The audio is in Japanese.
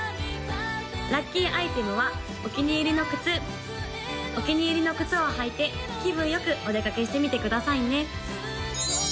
・ラッキーアイテムはお気に入りの靴お気に入りの靴を履いて気分よくお出かけしてみてくださいね